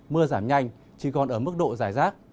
mưa giảm nhanh chỉ còn ở mức độ dài rác